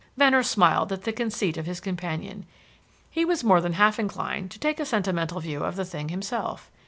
Venner smiled at the conceit of his companion. He was more than half inclined to take a sentimental view of the thing himself.